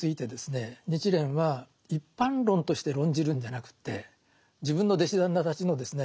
日蓮は一般論として論じるんじゃなくて自分の弟子たちのですね